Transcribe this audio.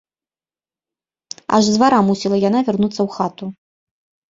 Аж з двара мусіла яна вярнуцца ў хату.